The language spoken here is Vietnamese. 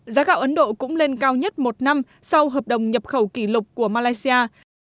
giá gạo ấn độ cũng lên cao nhất một năm sau hợp đồng nhập khẩu kỷ lục của malaysia